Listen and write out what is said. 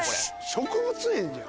植物園じゃん。